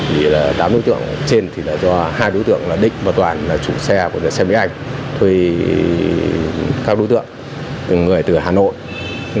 tám đối tượng trên là do hai đối tượng là định và toàn là chủ xe của xe mỹ anh thuê các đối tượng từ hà nội